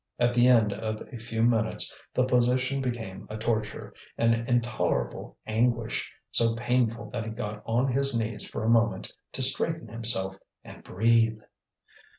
At the end of a few minutes the position became a torture, an intolerable anguish, so painful that he got on his knees for a moment to straighten himself and breathe.